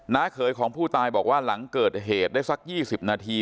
เขยของผู้ตายบอกว่าหลังเกิดเหตุได้สัก๒๐นาที